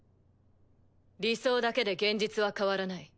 理想だけで現実は変わらない。